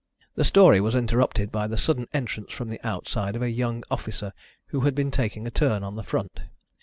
The story was interrupted by the sudden entrance from outside of a young officer who had been taking a turn on the front.